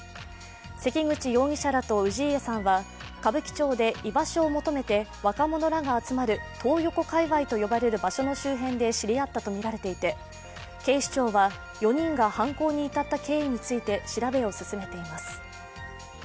関口容疑者らと氏家さんは歌舞伎町で居場所を求めて若者らが集まるトー横界隈と呼ばれる場所の周辺で知り合ったとみられていて、警視庁は４人が犯行に至った経緯について調べを進めています。